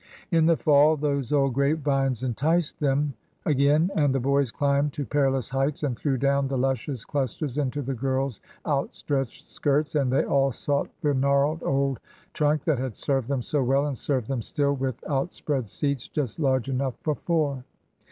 In the fall those old grape vines en ticed them again, and the boys climbed to perilous heights and threw down the luscious clusters into the girls' out stretched skirts, and they all sought the gnarled old trunk that had served them so well, and served them still, with outspread seats just large enough for four.